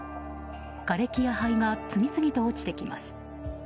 がれきや灰が次々と落ちてきます。